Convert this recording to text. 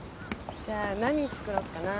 じゃあ何作ろうかな？